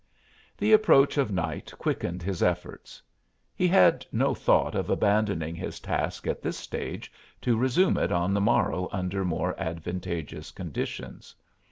The approach of night quickened his efforts. He had no thought of abandoning his task at this stage to resume it on the morrow under more advantageous conditions.